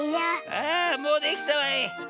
あもうできたわい。